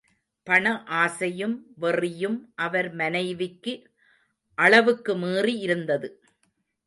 பண ஆசையும், வெறியும் அவர் மனைவிக்கு அளவுக்கு மீறி இருந்தது.